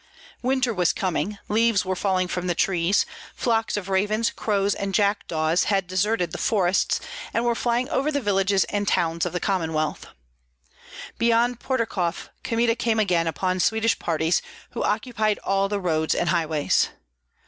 Winter was coming; leaves were falling from the trees; flocks of ravens, crows, and jackdaws had deserted the forests, and were flying over the villages and towns of the Commonwealth. Beyond Pyotrkoff Kmita came again upon Swedish parties, who occupied all the roads and highways.